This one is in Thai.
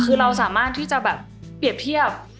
คือเราสามารถที่จะแบบเปรียบเทียบ